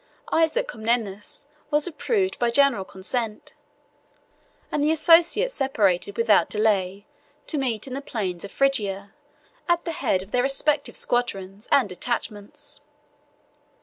Isaac Comnenus was approved by general consent, and the associates separated without delay to meet in the plains of Phrygia at the head of their respective squadrons and detachments.